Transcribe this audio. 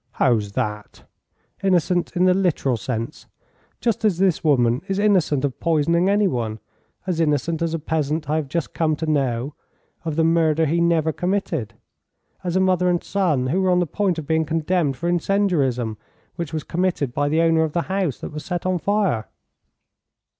"How's that?" "Innocent in the literal sense. Just as this woman is innocent of poisoning any one; as innocent as a peasant I have just come to know, of the murder he never committed; as a mother and son who were on the point of being condemned for incendiarism, which was committed by the owner of the house that was set on fire."